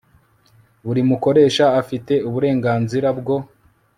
buri mukoresha afite uburenganzira bwo